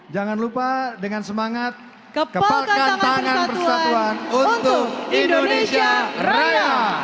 jangan lupa dengan semangat kepalkan tangan persatuan untuk indonesia raya